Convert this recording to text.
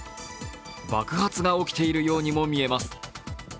爆発が起きているようにも見えます。